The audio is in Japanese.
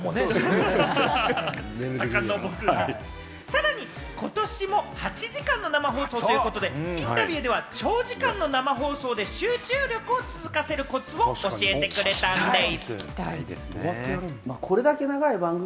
さらに今年も８時間の生放送ということで、インタビューでは長時間の生放送で、集中力を続かせるコツを教えてくれたんです。